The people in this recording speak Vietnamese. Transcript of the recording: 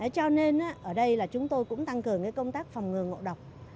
cho nên ở đây là chúng tôi cũng tăng cường công tác phòng ngừa ngộ độc